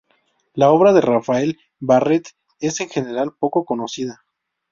La obra de Rafael Barrett es en general poco conocida.